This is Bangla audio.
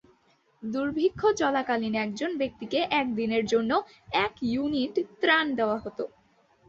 দুর্ভিক্ষ চলাকালীন একজন ব্যক্তিকে এক দিনের জন্য এক ইউনিট ত্রাণ দেওয়া হত।